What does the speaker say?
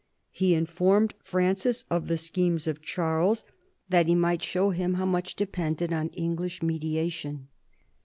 He informed Francis of the schemes of Charles, that he might show him how much depended on English mediation.